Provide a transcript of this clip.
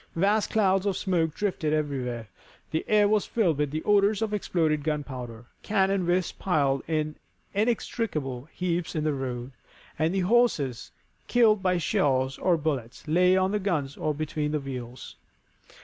Vast clouds of smoke drifted everywhere, the air was filled with the odors of exploded gunpowder, cannon were piled in inextricable heaps in the road, and horses, killed by shells or bullets, lay on the guns or between the wheels.